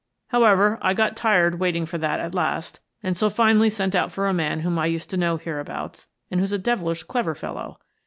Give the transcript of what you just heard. However, I got tired waiting for that at last, and so finally sent out for a man whom I used to know hereabouts and who's a devilish clever fellow.